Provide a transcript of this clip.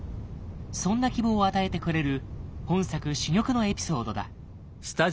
そんな希望を与えてくれる本作珠玉のエピソードだ。